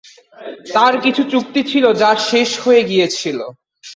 তার কিছু চুক্তি ছিল যা শেষ হয়ে গিয়েছিল।